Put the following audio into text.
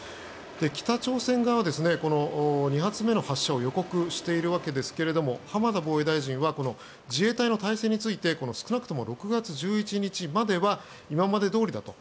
北朝鮮側は２発目の発射を予告しているわけですが浜田防衛大臣は自衛隊の体制については少なくとも６月１１日までは今までどおりだと。